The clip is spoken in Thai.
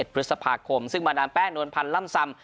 พฤษภาคมซึ่งมาดามแป้งนวลพันธ์ล่ำซำ